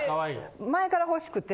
前から欲しくて。